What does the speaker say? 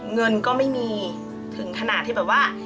เงินก็ไม่มีถึงขนาดที่แบบว่า